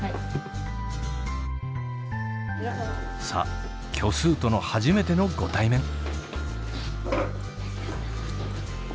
さあ虚数との初めてのご対面。